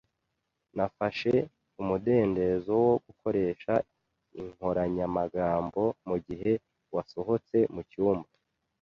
Nafashe umudendezo wo gukoresha inkoranyamagambo mugihe wasohotse mucyumba.